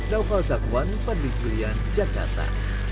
naufal zakwan fadli julian jakarta